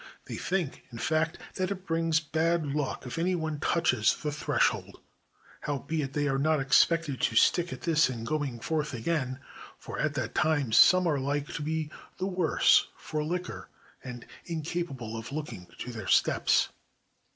They think, in fact, that it brings bad luck if any one touches the threshold. Howbeit, they are not expected to stick at this in going forth again, for at that time some are like to be the worse for liquor and in capable of looking to their steps.